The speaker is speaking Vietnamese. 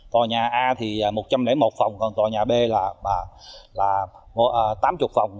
tổ nhà a thì một trăm linh một phòng còn tổ nhà b là tám mươi phòng